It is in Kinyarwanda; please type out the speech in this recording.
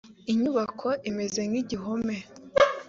inyubako imeze nk igihome